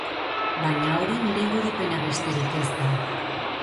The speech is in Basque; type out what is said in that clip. Baina hori nire irudipena besterik ez da.